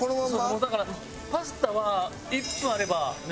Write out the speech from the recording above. もうだからパスタは１分あれば。